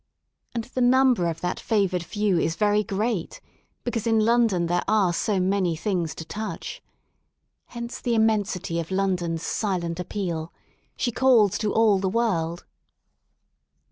And the number of that favoured few is very great, because in London there are so many things to touch. Hence the immensity of London's silent appeal. She calls to all the world.